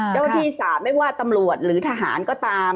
เจ้าหน้าที่สามไม่ว่าตำรวจหรือทหารก็ตาม